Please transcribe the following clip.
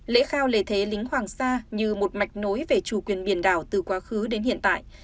lễ khao lễ thế lính hoàng sa như một mạch nối về chủ quyền biển đảo từ quá khứ đến hiện tại